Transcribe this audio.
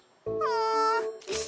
うん！